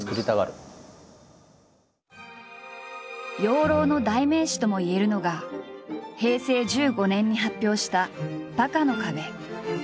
養老の代名詞ともいえるのが平成１５年に発表した「バカの壁」。